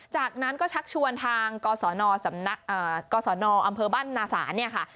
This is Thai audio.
จากนั้นก็ชักชวนทางกศนอำเภอบ้านนาศาลเนี่ยค่ะ